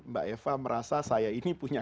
mbak eva merasa saya ini punya